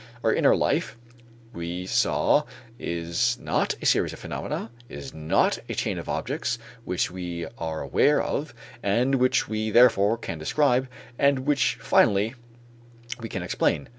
Our inner life, we saw, is not a series of phenomena, is not a chain of objects which we are aware of and which we therefore can describe, and which finally we can explain.